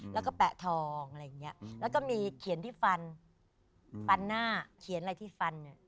แล้วก็แปะทองอะไรอย่างเงี้ยแล้วก็มีเขียนที่ฟันฟันหน้าเขียนอะไรที่ฟันเนี่ย